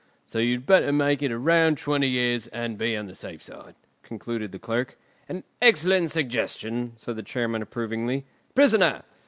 "—So you had better make it a round twenty years and be on the safe side," concluded the Clerk. "An excellent suggestion!" said the Chairman approvingly. "Prisoner!